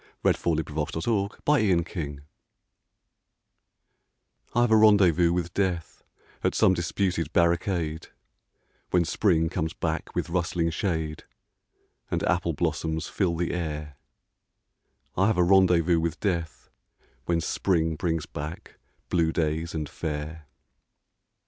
I HAVE A RENDEZVOUS WITH DEATH I have a rendezvous with Death At some disputed barricade, When Spring comes back with rustling shade And apple blossoms fill the air — I have a rendezvous with Death When Spring brings back blue days and fair.